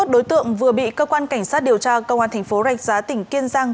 hai mươi một đối tượng vừa bị cơ quan cảnh sát điều tra công an tp rạch giá tỉnh kiên giang